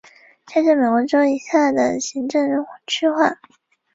县是美国州以下的行政区划。